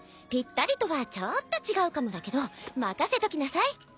ぴったりとはちょっと違うかもだけど任せときなさい。